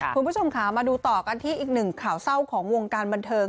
คุณผู้ชมค่ะมาดูต่อกันที่อีกหนึ่งข่าวเศร้าของวงการบันเทิง